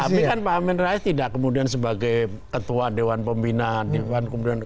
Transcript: tapi kan pak amin rais tidak kemudian sebagai ketua dewan pembinaan